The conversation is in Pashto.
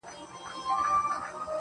او وحشتونه روان دي